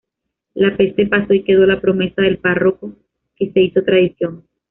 La peste pasó y quedó la promesa del párroco que se hizo tradición.